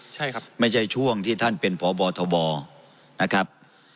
ใช่ครับไม่ใช่ช่วงที่ท่านเป็นพบทบนะครับ